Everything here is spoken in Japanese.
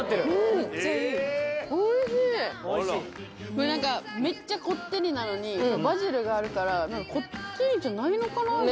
これ何かめっちゃこってりなのにバジルがあるからこってりじゃないのかなと思う。